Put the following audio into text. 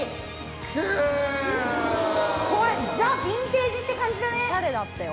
これザ・ヴィンテージって感じだね。